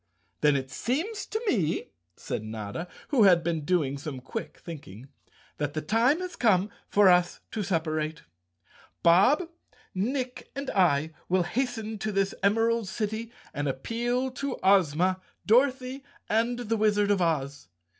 "Then it seems to me," said Notta, who had been doing some quick thinking, "that the time has come 227 The Cowardly Lion of Oz for us to separate. Bob, Nick and I will hasten to this Emerald City and appeal to Ozma, Dorothy and the Wizard of Oz.